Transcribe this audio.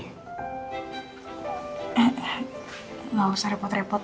enggak usah repot repot